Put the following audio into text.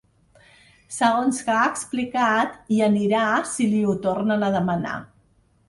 Segons que ha explicat, hi anirà si li ho tornen a demanar.